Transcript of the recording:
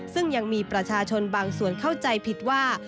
ซึ่งยังมีประชาชนบางส่วนเข้าใจผิดว่า